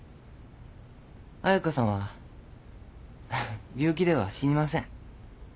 彩佳さんは病気では死にません。